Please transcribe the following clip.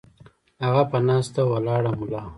هغه پۀ ناسته ولاړه ملا